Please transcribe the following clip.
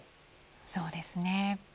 そうですね。